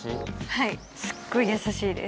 はいすっごい優しいです。